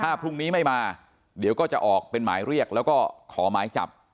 ถ้าพรุ่งนี้ไม่มาเดี๋ยวก็จะออกเป็นหมายเรียกแล้วก็ขอหมายจับ